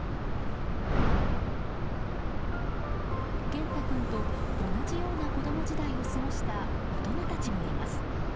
けんた君と同じような子供時代を過ごした大人たちもいます。